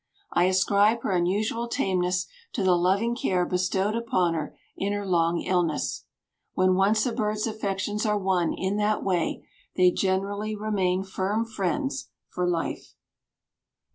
I ascribe her unusual tameness to the loving care bestowed upon her in her long illness. When once a bird's affections are won in that way they generally remain firm friends for life.